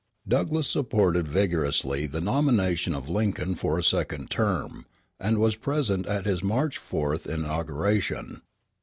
Douglass supported vigorously the nomination of Lincoln for a second term, and was present at his [March 4] inauguration.